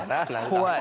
怖い。